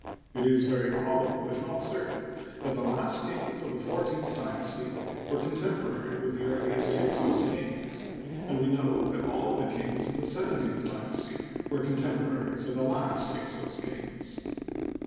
It is very probable, if not certain, that the last kings of the fourteenth dynasty were contem porary with the earliest Hyksos kings, and we know that all of the kings of the seventeenth dynasty were contem poraries of the last Hyksos kings.